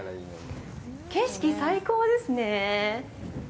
景色、最高ですね。